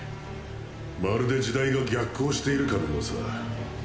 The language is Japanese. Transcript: まるで時代が逆行しているかのようさぁ。